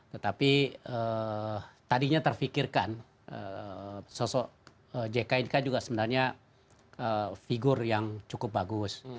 tetapi tadinya terfikirkan sosok jk ini kan juga sebenarnya figur yang cukup bagus